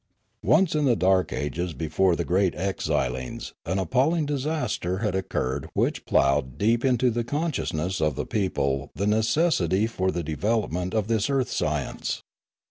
Once in the dark ages before the great exilings an appalling disaster had occurred which ploughed deep 96 Limanora into the consciousness of the people the necessity for the development of this earth science.